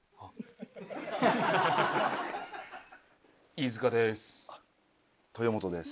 飯塚です。